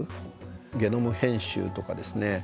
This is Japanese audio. ゲノム編集とかですね